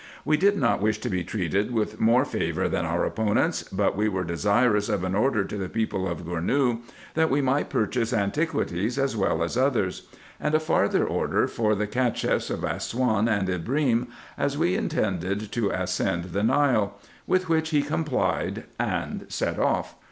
We did not wish to be treated with more favour than our opponents ; but we were desirous of an order to the people of Gournou, that we might purchase antiquities as well as others ; and a farther order for the Cacheffs of Assouan and Ibrim, as we intended to ascend the Nile ; with which he complied, and set off.